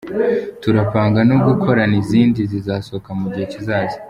Turapanga no gukorana izindi zizasohoka mugihe kizaza”.